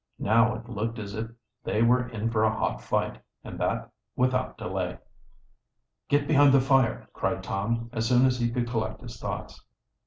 Now it looked as if they were in for a hot fight, and that without delay. "Get behind the fire!" cried Tom, as soon as he could collect his thoughts.